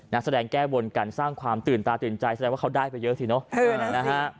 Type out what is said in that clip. นักแสดงแก้บนกันสร้างความตื่นตาตื่นใจแสดงว่าเขาได้ไปเยอะสิเนอะนะฮะ